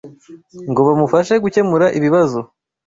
ngo bamufashe gukemura ibibazo.